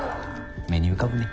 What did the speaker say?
目に浮かぶね。